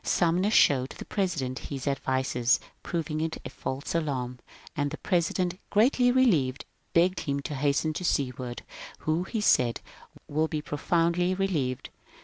Sumner showed the President his advices proving it a false alarm, and the President, greatly relieved, begged him to hasten to Seward, who, he said, ^^ will be pro foundly relieved."